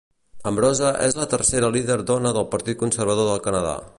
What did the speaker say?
Ambrose és la tercera líder dona del partit conservador del Canadà.